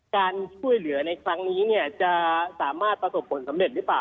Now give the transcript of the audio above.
การช่วยเหลือในครั้งนี้เนี่ยจะสามารถประสบผลสำเร็จหรือเปล่า